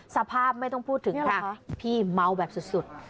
สภาพไม่ต้องพูดถึงค่ะนี่เหรอคะพี่เมาว์แบบสุด